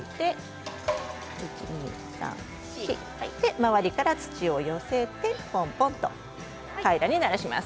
周りから土を寄せてポンポンと平らにならします。